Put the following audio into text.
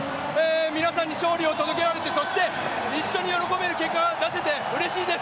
皆さんに勝利を届けられてそして、一緒に喜べる結果が出せてうれしいです！